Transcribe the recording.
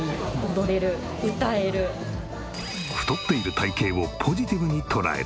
太っている体形をポジティブに捉える。